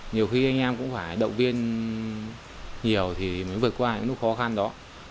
nhiều khi anh em cũng phải động viên nhiều thì mới vượt qua những lúc khó khăn đó